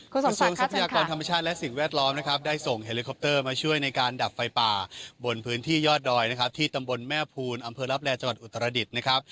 กระทรวงทรัพยากรธรรมชาติและสิ่งแวดล้อมนะครับได้ส่งเฮลิคอปเตอร์มาช่วยในการดับไฟป่าบนพื้นที่ยอดดอยนะครับที่ตำบลแม่ภูลอำเภอลับแลจังหวัดอุตรดิษฐ์นะครับ